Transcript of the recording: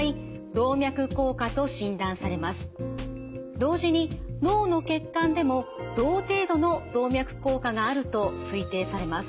同時に脳の血管でも同程度の動脈硬化があると推定されます。